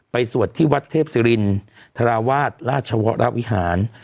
สวดที่วัดเทพศิรินทราวาสราชวรวิหาร